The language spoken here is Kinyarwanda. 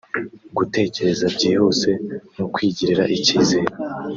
gutekereza byihuse no kwigirira icyizere